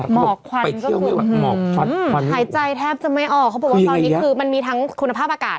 หมอกควันก็คือหมอกหายใจแทบจะไม่ออกเขาบอกว่าตอนนี้คือมันมีทั้งคุณภาพอากาศ